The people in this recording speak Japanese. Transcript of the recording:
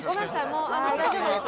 もう大丈夫です。